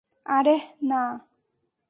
আরেহ, না!